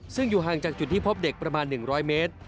ซึ่งอยู่ห่างจากจุดที่พบเด็กประมาณ๑๐๐เมตร